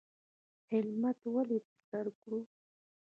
هیلمټ ولې په سر کړو؟